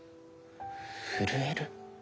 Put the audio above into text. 震える？